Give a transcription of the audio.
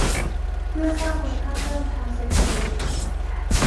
เพื่อสร้างมูลค่าเพิ่มทางเศรษฐกิจ